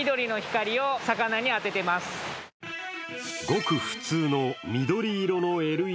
ごく普通の緑色のＬＥＤ。